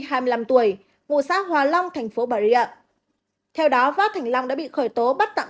hai mươi năm tuổi ngụ xã hòa long thành phố bà rượu theo đó vót thành long đã bị khởi tố bắt tạm